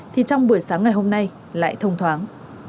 thì trong buổi sáng ngày hôm nay lại thông thoáng